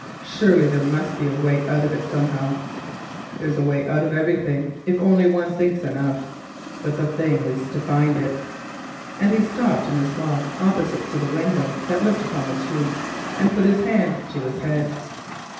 Surely there must be a way out of it somehow. There's a way out of everything except Death if only one thinks enough, but the thing is to find it," and he stopped in his walk opposite to the window that looked upon the street, and put his hand to his head.